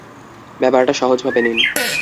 ব্যাপারটা সহজ ভাবে নিন।